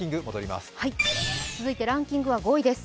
続いてランキングは５位です